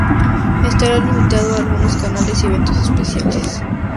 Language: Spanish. Estará limitado a algunos canales y eventos especiales.